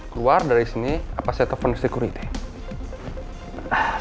keluar dari sini apa saya telepon security